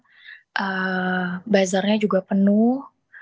karena bazarnya juga penuh